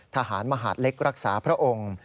ทหารมหาดเล็กรักษาพระองค์